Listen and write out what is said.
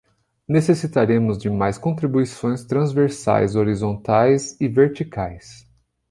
Necessitaremos de mais contribuições transversais, horizontais e verticais